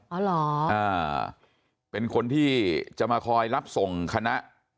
อ๋อเหรออ่าเป็นคนที่จะมาคอยรับส่งคณะ